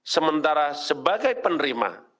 sementara sebagai pemberi